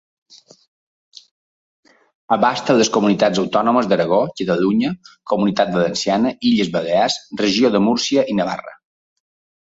Abasta les comunitats autònomes d'Aragó, Catalunya, Comunitat Valenciana, Illes Balears, regió de Múrcia i Navarra.